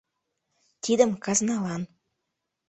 — Тидым — казналан.